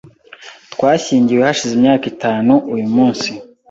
Twashyingiwe hashize imyaka itanu uyu munsi .